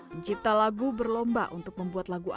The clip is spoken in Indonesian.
mencipta lagu berlomba untuk membuat lagu